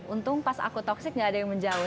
untung pas aku toxic gak ada yang menjauh